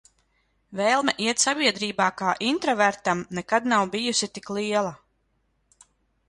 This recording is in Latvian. Vēlme iet sabiedrībā kā intravertam nekad nav bijusi tik liela.